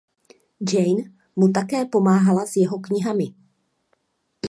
Jane mu také pomáhala s jeho knihami.